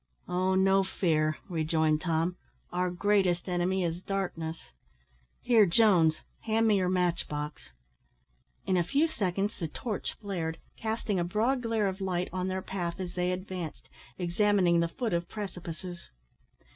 "Oh, no fear," rejoined Tom, "our greatest enemy is darkness; here, Jones, hand me your match box." In a few seconds the torch flared forth, casting a broad glare of light on their path, as they advanced, examining the foot of precipices.